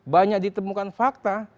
banyak ditemukan fakta